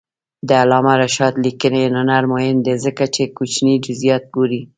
د علامه رشاد لیکنی هنر مهم دی ځکه چې کوچني جزئیات ګوري.